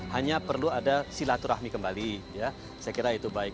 hanya perlu ada silaturahmi kembali ya saya kira itu baik